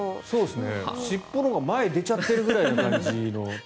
尻尾のほうが前に出ちゃってるぐらいの感じの。